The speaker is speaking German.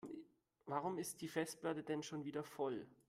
Warum ist die Festplatte denn schon wieder voll?